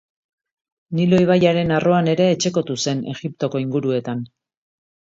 Nilo ibaiaren arroan ere etxekotu zen, Egiptoko inguruetan.